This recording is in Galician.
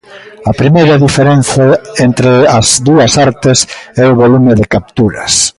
A primeira diferenza entre as dúas artes é o volume de capturas.